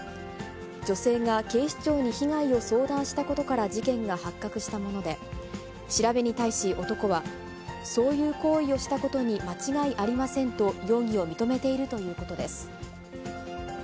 女性が警視庁に被害を相談したことから事件が発覚したもので、調べに対し男は、そういう行為をしたことに間違いありませんと、容疑を認めているということです。